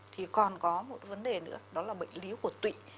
thì còn có một vấn đề nữa đó là bệnh lý của tụy